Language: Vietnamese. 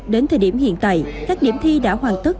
đến thời điểm hiện tại các điểm thi đã hoàn tất